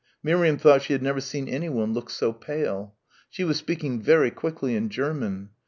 Miriam thought she had never seen anyone look so pale. She was speaking very quickly in German.